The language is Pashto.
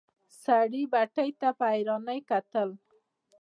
سړي بتۍ ته په حيرانی کتل.